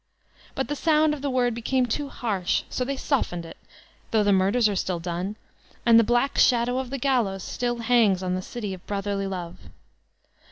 But the sound of the word became too harsh; so they softened it, though the murders are still done, and the black shadow of the Gallows still hangs on the City of Brotherly Love.